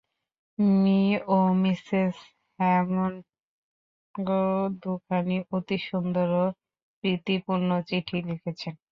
Me ও Mrs Hammond দুখানি অতি সুন্দর ও প্রীতিপূর্ণ চিঠি লিখেছেন।